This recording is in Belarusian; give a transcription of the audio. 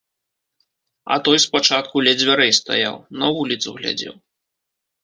А той спачатку ля дзвярэй стаяў, на вуліцу глядзеў.